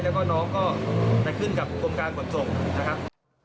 แล้วก็น้องก็ไปขึ้นกับกรมการขนส่งนะครับ